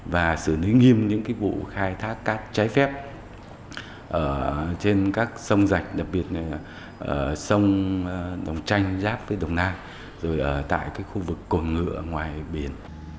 và xử lý nghiêm những vụ khai thác cát trái phép trên các sông rạch đặc biệt là sông đồng tranh giáp với đồng nai rồi ở tại khu vực cổ ngựa ngoài biển